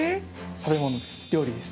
食べ物です料理です